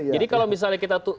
jadi kalau misalnya kita